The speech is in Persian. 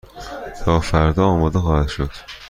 تا فردا آماده خواهد شد.